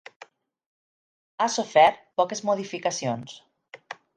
Ha sofert poques modificacions.